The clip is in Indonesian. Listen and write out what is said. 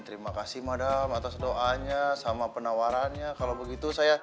terima kasih madam atas doanya sama penawarannya kalau begitu saya